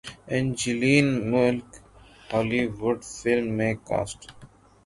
Angeline Malik Hollywood film میں cost